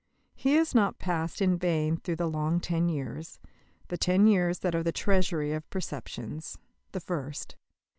He has not passed in vain through the long ten years, the ten years that are the treasury of preceptions the first.